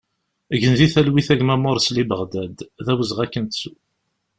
Gen di talwit a gma Morsli Baɣdad, d awezɣi ad k-nettu!